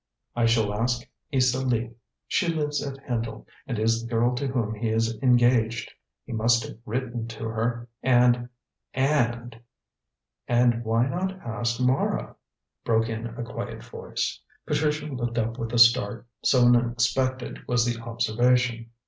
"I shall ask Isa Lee. She lives at Hendle, and is the girl to whom he is engaged. He must have written to her, and and " "And why not ask Mara," broke in a quiet voice. Patricia looked up with a start, so unexpected was the observation.